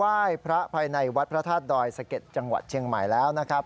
ไหว้พระภายในวัดพระธาตุดอยสะเก็ดจังหวัดเชียงใหม่แล้วนะครับ